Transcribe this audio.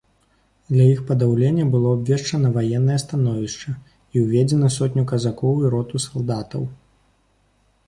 Для іх падаўлення было абвешчана ваеннае становішча і ўведзены сотню казакоў і роту салдатаў.